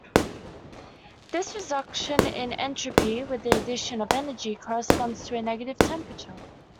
This reduction in entropy with the addition of energy corresponds to a negative temperature.